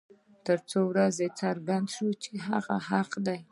تر څو ورته څرګنده شي چې هغه حق دى.